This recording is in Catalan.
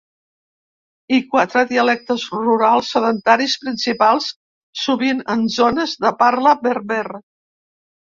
I quatre dialectes rurals sedentaris principals, sovint en zones de parla berber.